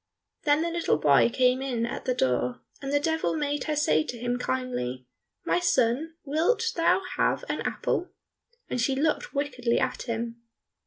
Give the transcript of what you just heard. Then the little boy came in at the door, and the Devil made her say to him kindly, "My son, wilt thou have an apple?" and she looked wickedly at him.